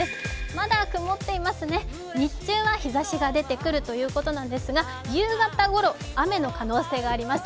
まだ曇っていますね、日中は日ざしが出てくるということですが夕方ごろ、雨の可能性があります。